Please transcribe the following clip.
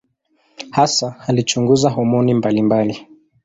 Hasa alichunguza homoni mbalimbali.